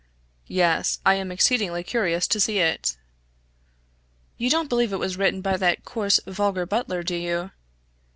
} "Yes, I am exceedingly curious to see it." "You don't believe it was written by that coarse, vulgar Butler, do you?"